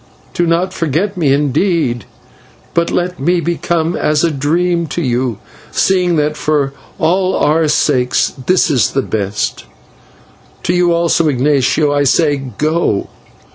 Do not forget me, indeed; but let me become as a dream to you, seeing that for all our sakes this is the best. To you also, Ignatio, I say 'go.'